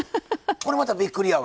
これまたびっくりやわ。